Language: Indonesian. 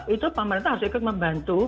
itu pemerintah harus ikut membantu